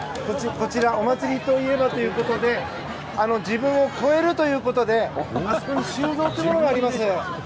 こちら、お祭りといえばということで自分を超えるということであそこに「修造」というものがあります。